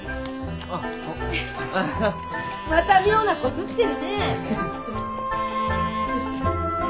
また妙な子刷ってるねえ！